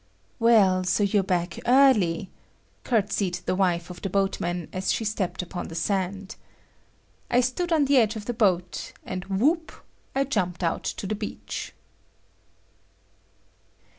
"Well, so you're back early," courtesied the wife of the boatman as she stepped upon the sand. I stood on the edge of the boat; and whoop! I jumped out to the beach.